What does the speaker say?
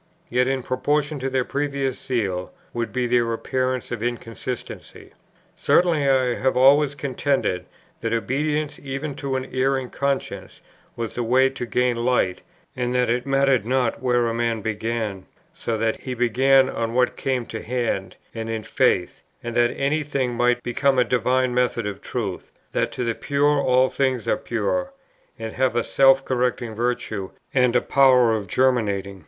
Yet in proportion to their previous zeal, would be their appearance of inconsistency. Certainly, I have always contended that obedience even to an erring conscience was the way to gain light, and that it mattered not where a man began, so that he began on what came to hand, and in faith; and that any thing might become a divine method of Truth; that to the pure all things are pure, and have a self correcting virtue and a power of germinating.